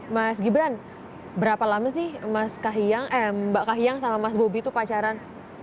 mas gibran berapa lama sih mbak kak hiang sama mas bobby itu pacaran